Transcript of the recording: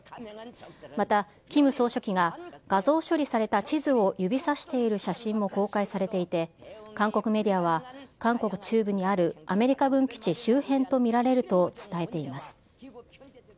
また、キム総書記が、画像処理された地図を指さしている写真も公開されていて、韓国メディアは、韓国中部にあるアメリカ軍基地周辺と見られると伝えています。